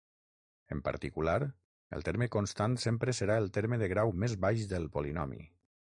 En particular, el terme constant sempre serà el terme de grau més baix del polinomi.